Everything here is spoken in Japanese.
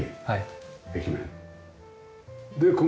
はい。